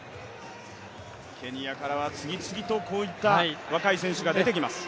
ケニアからは次々とこういった若い選手が出てきます。